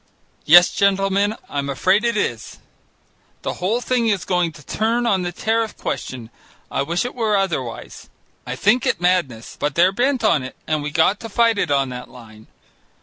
"Yes, gentlemen, I'm afraid it is. The whole thing is going to turn on the tariff question. I wish it were otherwise. I think it madness, but they're bent on it, and we got to fight it on that line.